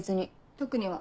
特には。